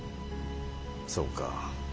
そうか。